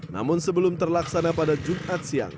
namun sebelum terlaksana pada jumat siang